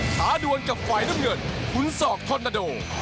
ท้าดวนกับไฟลุ่มเงินหุนศอกทรนดโด